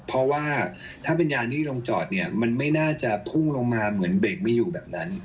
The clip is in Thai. เพราะว่าถ้าเป็นยานที่ลงจอดเนี่ยมันไม่น่าจะพุ่งลงมาเหมือนเบรกไม่อยู่แบบนั้น